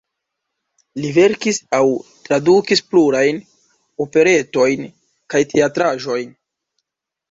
Li verkis aŭ tradukis plurajn operetojn kaj teatraĵojn.